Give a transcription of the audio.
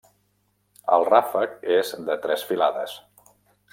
El ràfec és de tres filades.